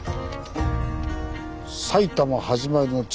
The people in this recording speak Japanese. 「埼玉はじまりの地